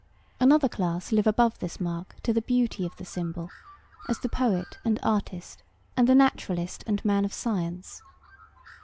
Another class live above this mark to the beauty of the symbol, as the poet and artist and the naturalist and man of science.